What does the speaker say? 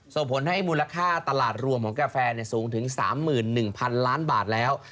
ส่งผลให้มูลค่าตลาดรวมของกาแฟสูงถึง๓๑๐๐๐ล้านบาทแล้ว